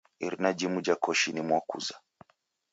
Irina jimu ja koshi ni mwakuza.